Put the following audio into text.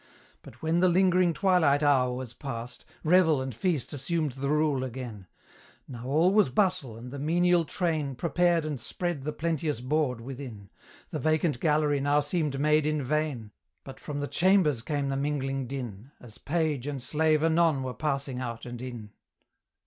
But when the lingering twilight hour was past, Revel and feast assumed the rule again: Now all was bustle, and the menial train Prepared and spread the plenteous board within; The vacant gallery now seemed made in vain, But from the chambers came the mingling din, As page and slave anon were passing out and in.